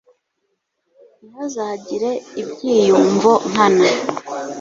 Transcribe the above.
ntihazagire ibyiyumvo nkana